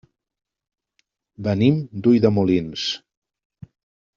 Venim d'Ulldemolins.